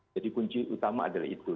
jadi kunci utama adalah itu